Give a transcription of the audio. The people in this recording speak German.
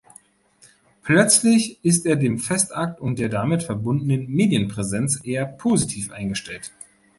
Plötzlich ist er dem Festakt und der damit verbundenen Medienpräsenz eher positiv eingestellt.